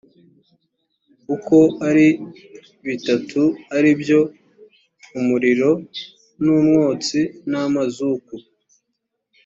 uko ari bitatu ari byo umuriro n umwotsi n amazuku